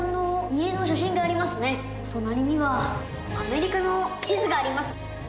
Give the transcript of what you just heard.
隣にはアメリカの地図があります。